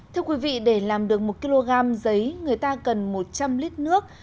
thưa quý vị để làm được một kg giấy người ta cần một trăm linh lít nước